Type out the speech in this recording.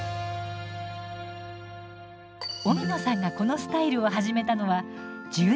荻野さんがこのスタイルを始めたのは１０年前。